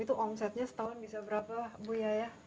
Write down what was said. itu omsetnya setahun bisa berapa bu yaya